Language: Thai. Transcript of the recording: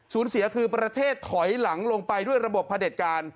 เสียคือประเทศถอยหลังลงไปด้วยระบบพระเด็จการ